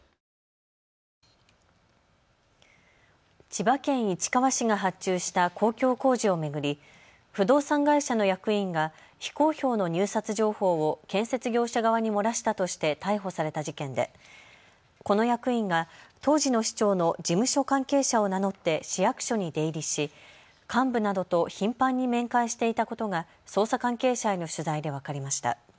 千葉県市川市が発注した公共工事を巡り不動産会社の役員が非公表の入札情報を建設業者側に漏らしたとして逮捕された事件でこの役員が当時の市長の事務所関係者を名乗って市役所に出入りし、幹部などと頻繁に面会していたことが捜査関係者への取材で分かりました。